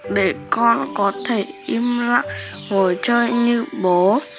để con có thể im lặng ngồi chơi như bố